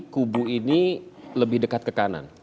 kubu ini lebih dekat ke kanan